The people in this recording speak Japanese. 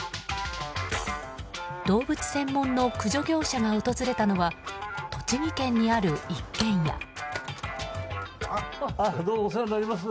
動物専門の駆除業者が訪れたのは栃木県にある一軒家。